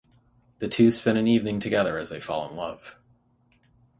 The two spend an evening together as they fall in love.